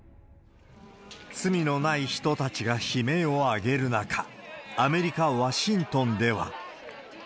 罪のない人たちが悲鳴を上げる中、アメリカ・ワシントンでは。